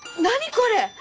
これ！